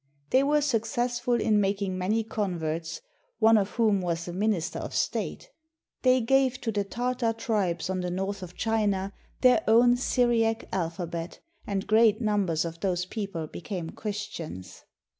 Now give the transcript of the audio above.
They were successful in making many converts, one of whom was a minister of state. They gave to the Tartar tribes on the north of China their own Syriac alphabet, and great numbers of those people became Christians.